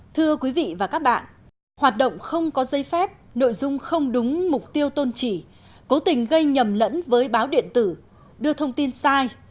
thưa quý vị và các bạn hoạt động không có dây phép nội dung không đúng mục tiêu tôn chỉ cố tình gây nhầm lẫn với báo điện tử đưa thông tin sai